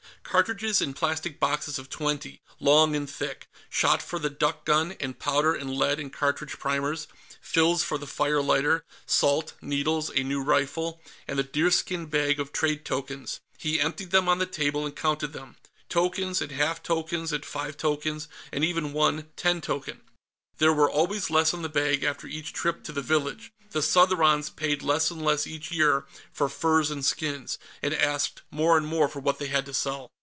Cartridges in plastic boxes of twenty, long and thick; shot for the duck gun, and powder and lead and cartridge primers; fills for the fire lighter; salt; needles; a new file. And the deerskin bag of trade tokens. He emptied them on the table and counted them tokens, and half tokens and five tokens, and even one ten token. There were always less in the bag, after each trip to the village. The Southrons paid less and less, each year, for furs and skins, and asked more and more for what they had to sell.